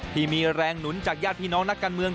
ที่มีแรงหนุนจากญาติพี่น้องนักการเมือง